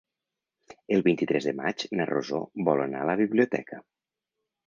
El vint-i-tres de maig na Rosó vol anar a la biblioteca.